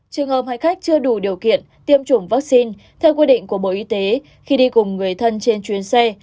trường hợp hành khách chưa đủ điều kiện tiêm chủng vaccine theo quy định của bộ y tế khi đi cùng người thân trên chuyến xe